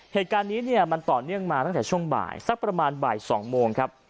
เหตุการณ์นี้เนี่ยมันต่อเนื่องมาตั้งแต่ช่วงบ่ายสักประมาณบ่าย๒โมงครับ